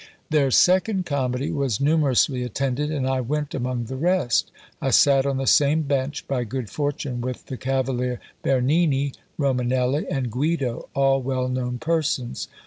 "Their second comedy was numerously attended, and I went among the rest; I sat on the same bench, by good fortune, with the Cavalier Bernini, Romanelli, and Guido, all well known persons.